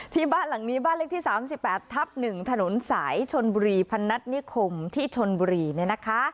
ที่บ้านหลังนี้บ้านเลขที่๓๘ทับ๑ถนนสายชนบุรีพนัฐนิคมที่ชนบุรีเนี่ยนะคะ